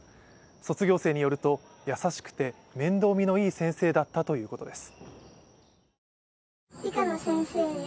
卒業生によると優しくて面倒見のいい先生だったということです。